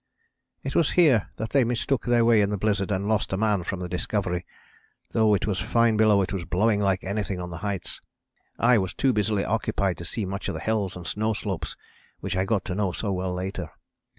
"It was here that they mistook their way in the blizzard and lost a man from the Discovery. Though it was fine below it was blowing like anything on the heights. I was too busily occupied to see much of the hills and snow slopes which I got to know so well later.